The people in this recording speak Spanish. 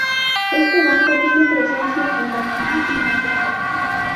Este Banco tiene presencia en Panamá y Miami.